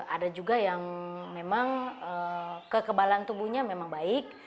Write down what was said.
ada juga yang memang kekebalan tubuhnya memang baik